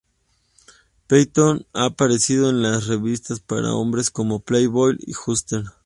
Peyton ha aparecido en las revistas para hombres como Playboy y Hustler.